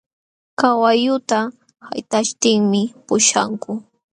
Kawalluta haytaśhtinmi puśhakun.